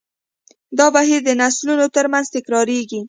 دا بهیر د نسلونو تر منځ تکراریږي.